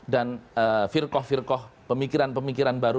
firkoh firkoh pemikiran pemikiran baru